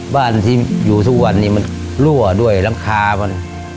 บ้านที่อยู่ทุกวันนี้มันรั่วด้วยหลังคามัน